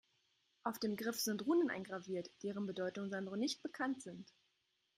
Auf dem Griff sind Runen eingraviert, deren Bedeutung Sandro nicht bekannt sind.